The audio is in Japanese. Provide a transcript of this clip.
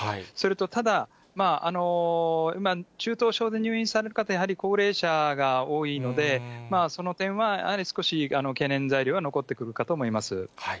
それとただ、中等症で入院される方、やはり高齢者が多いので、その点はやはり少し懸念材料は残ってくるかと思います。